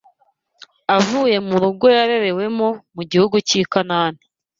avuye mu rugo yarerewemo mu gihugu cy’i Kanāni